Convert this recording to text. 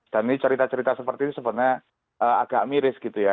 dan ini cerita cerita seperti ini sebenarnya agak miris gitu ya